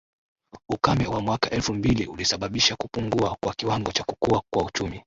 Ukame wa mwaka elfu mbili ulisababisha kupungua kwa kiwango cha kukua kwa uchumi